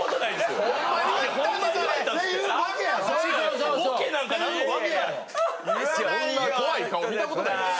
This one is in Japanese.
そんな怖い顔見た事ないわ。